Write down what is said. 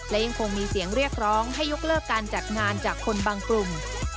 และยังคงมีเสียงเรียกร้องให้ยกเลิกการจัดงานจากคนบางกลุ่ม